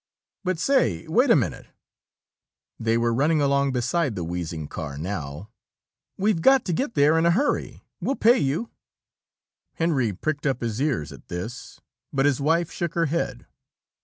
"But say, wait a minute!" They were running along beside the wheezing car now. "We've got to get there in a hurry. We'll pay you." Henry pricked up his ears at this, but his wife shook her head.